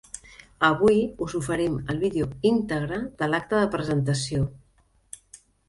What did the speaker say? Avui us oferim el vídeo íntegre de l’acte de presentació.